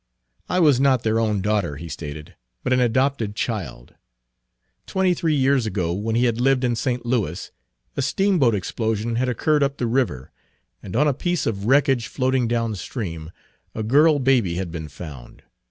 "I was not their own daughter, he stated, but an adopted child. Twenty three years ago, when he had lived in St. Louis, a steamboat explosion had occurred up the river, and on a piece of wreckage floating down stream, a girl baby had been found.